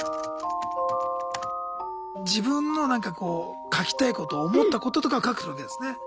自分のなんかこう書きたいこと思ったこととかを書くわけですね。